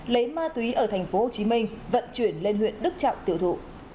lấy ma túy ở tp hcm vận chuyển lên huyện đức trọng tiểu thụ